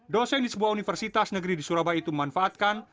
dosen di sebuah universitas negeri di surabaya itu memanfaatkan